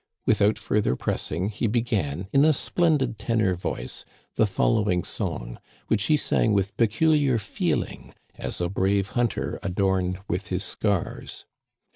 Without further pressing he began, in a splendid tenor voice, the follow ing song, which he sang with peculiar feeling as a brave hunter adorned with his scars.